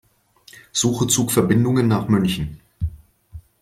Suche Zugverbindungen nach München.